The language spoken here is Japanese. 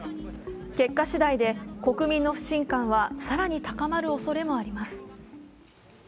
結果しだいで国民の不信感は更に高まるおそれもあります。